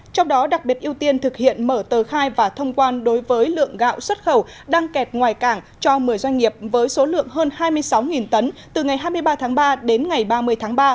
trong đó đặc biệt ưu tiên thực hiện mở tờ khai và thông quan đối với lượng gạo xuất khẩu đang kẹt ngoài cảng cho một mươi doanh nghiệp với số lượng hơn hai mươi sáu tấn từ ngày hai mươi ba tháng ba đến ngày ba mươi tháng ba